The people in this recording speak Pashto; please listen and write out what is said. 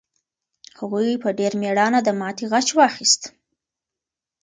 هغوی په ډېر مېړانه د ماتې غچ واخیست.